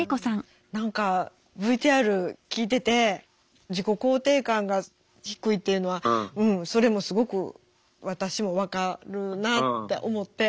何かＶＴＲ聞いてて自己肯定感が低いっていうのはうんそれもすごく私も分かるなって思って。